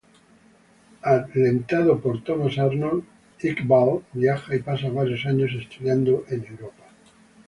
Alentado por Thomas Arnold, Iqbal viaja y pasa varios años estudiando en Europa.